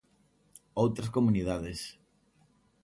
Outras comunidades.